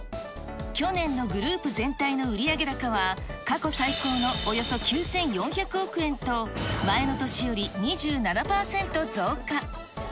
去年のグループ全体の売上高は、過去最高のおよそ９４００億円と、前の年より２７％増加。